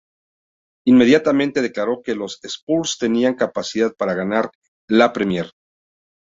Inmediatamente declaró que los Spurs tenían capacidad para ganar la Premier.